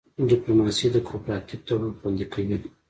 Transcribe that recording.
ډیپلوماسي د کوپراتیف تړون خوندي کوي